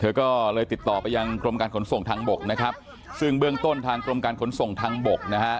เธอก็เลยติดต่อไปยังกรมการขนส่งทางบกนะครับซึ่งเบื้องต้นทางกรมการขนส่งทางบกนะฮะ